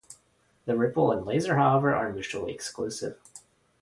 The ripple and laser, however, are mutually exclusive.